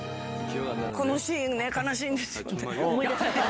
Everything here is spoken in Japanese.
このシーンね悲しいんですよね。